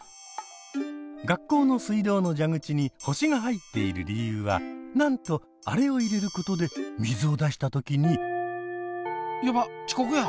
学校の水道の蛇口に星が入っている理由はなんとあれを入れることで水を出した時に。やばっちこくや！